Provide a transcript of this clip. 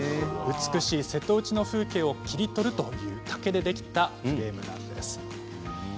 美しい瀬戸内の風景を切り取る竹でできたフレームなんです。